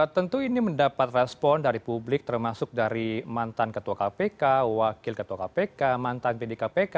tentu ini mendapat respon dari publik termasuk dari mantan ketua kpk wakil ketua kpk mantan pdkpk